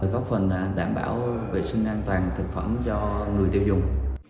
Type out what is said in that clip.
góp phần đảm bảo vệ sinh an toàn thực phẩm cho người tiêu dùng